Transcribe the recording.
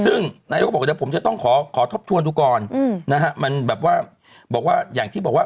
ซึ่งนายกก็บอกว่าผมจะต้องขอทบทวนดูก่อนมันแบบว่าอย่างที่บอกว่า